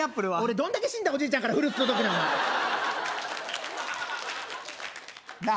どんだけ死んだおじいちゃんからフルーツ届くねんなあ